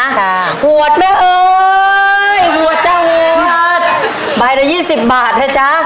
ค่ะหวดแม่เอ๋ยหวดเจ้าเองนะใบละยี่สิบบาทเถอะจ๊ะ